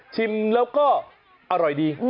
ชิมแล้วก็อร่อยดี